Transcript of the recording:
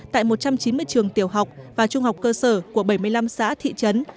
tại một trăm chín mươi trường tiểu học và trung học cơ sở của bảy mươi năm xã thị trấn